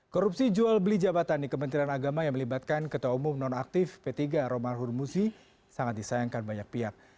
korupsi jual beli jabatan di kementerian agama yang melibatkan ketua umum nonaktif p tiga romahur muzi sangat disayangkan banyak pihak